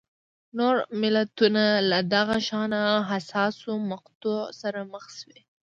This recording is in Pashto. نور ملتونه له دغه شان حساسو مقطعو سره مخ شوي.